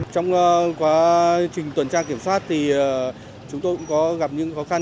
trong quá trình tuần tra kiểm soát thì chúng tôi cũng có gặp những khó khăn